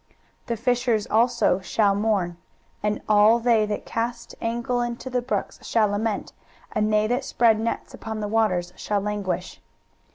23:019:008 The fishers also shall mourn, and all they that cast angle into the brooks shall lament, and they that spread nets upon the waters shall languish.